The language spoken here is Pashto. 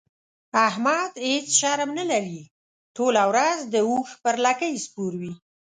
احمد هيڅ شرم نه لري؛ ټوله ورځ د اوښ پر لکۍ سپور وي.